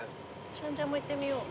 チャンジャもいってみよう。